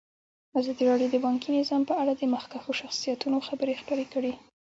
ازادي راډیو د بانکي نظام په اړه د مخکښو شخصیتونو خبرې خپرې کړي.